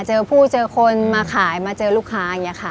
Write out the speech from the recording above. เจอผู้เจอคนมาขายมาเจอลูกค้าอย่างนี้ค่ะ